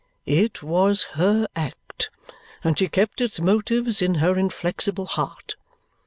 "It was her act, and she kept its motives in her inflexible heart.